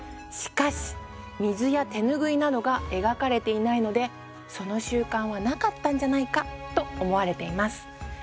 しかし水や手拭いなどが描かれていないのでその習慣はなかったんじゃないかと思われています。